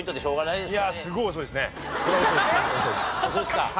そうですか。